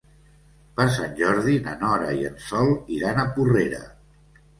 Per Sant Jordi na Nora i en Sol iran a Porrera.